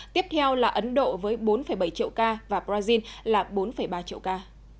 tiếp theo là ấn độ với bốn bảy triệu ca và brazil là bốn ba triệu ca